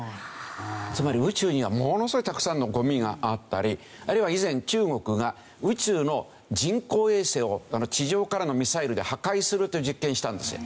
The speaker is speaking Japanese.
つまり宇宙にはものすごいたくさんのゴミがあったりあるいは以前中国が宇宙の人工衛星を地上からのミサイルで破壊するという実験をしたんですよ。